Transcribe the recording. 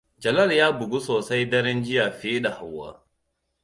Jalal ya bugu sosai daren jiya fiye da Hauwa.